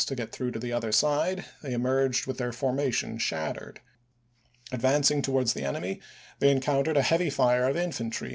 y' to get through to the other side they emerged with o^comS their formation shattered. Advancing towards the ofi864e 65ar' enemy they encountered a heavy fire of infantry pp.